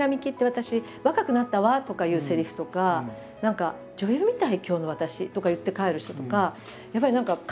私若くなったわ」とかいうせりふとか何か「女優みたい今日の私」とか言って帰る人とか。